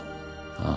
ああ。